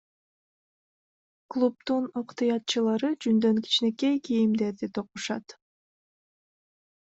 Клубдун ыктыярчылары жүндөн кичинекей кийимдерди токушат.